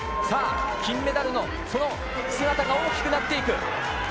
さあ、金メダルの、その姿が大きくなっていく。